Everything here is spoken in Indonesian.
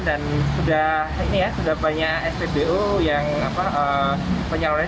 dan sudah banyak spbu yang penyalurannya sudah baik